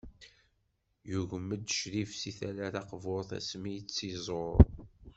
Yugem-d Ccrif seg tala taqburt asmi i tt-iẓur.